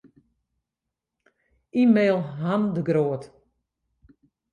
E-mail Han de Groot.